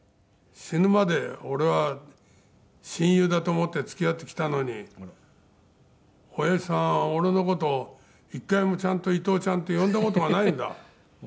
「死ぬまで俺は親友だと思って付き合ってきたのに親父さんは俺の事を一回もちゃんと伊東ちゃんって呼んだ事がないんだ」